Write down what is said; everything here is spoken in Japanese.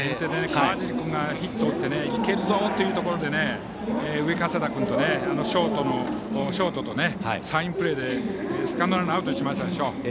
川尻君がヒットを打っていけるぞ！というところで上加世田君とショートと、サインプレーでセカンドランナーをアウトにしましたよね。